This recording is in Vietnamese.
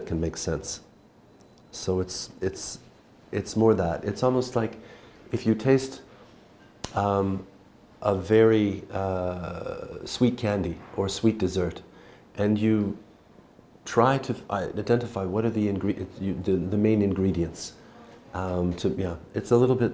và để nhìn thấy một dịch vụ của formula một trong một trường hợp như thế này nó phân tích rất nhiều